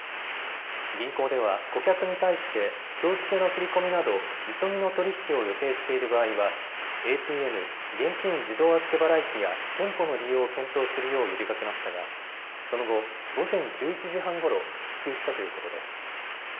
銀行では顧客に対してきょう付けの振り込みなど急ぎの取り引きを予定している場合はＡＴＭ・現金自動預け払い機や店舗の利用を検討するよう呼びかけましたがその後、午前１１時半ごろ復旧したということです。